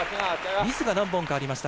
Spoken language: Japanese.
ミスが何本かありました。